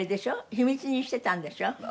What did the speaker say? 秘密にしてたんでしょ？